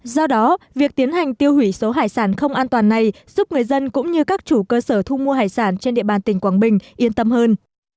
do đó việc tiến hành tiêu hủy số hải sản không an toàn này giúp người dân cũng như các chủ cơ sở thu mua hải sản trên địa bàn tỉnh quảng bình yên tâm hơn